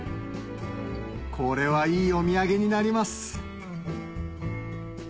これはいいお土産になります